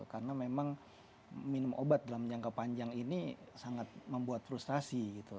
karena memang minum obat dalam jangka panjang ini sangat membuat frustrasi gitu